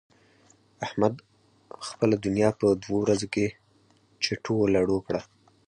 احمد خپله دونيا په دوو ورځو کې چټو و لړو کړه.